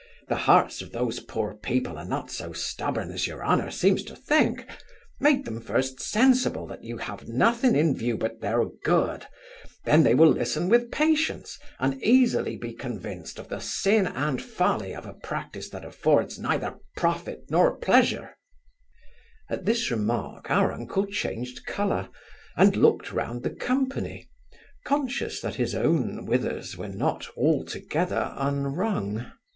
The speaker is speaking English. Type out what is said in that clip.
the hearts of those poor people are not so stubborn as your honour seems to think Make them first sensible that you have nothing in view but their good, then they will listen with patience, and easily be convinced of the sin and folly of a practice that affords neither profit nor pleasure At this remark, our uncle changed colour, and looked round the company, conscious that his own withers were not altogether unwrung.